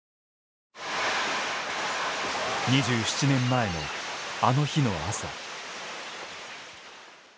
２７年前のあの日の朝。